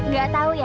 gak tau ya